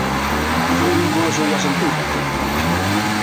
Quina vinculació hi ha sentit?